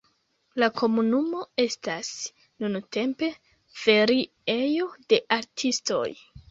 La komunumo estas nuntempe feriejo de artistoj.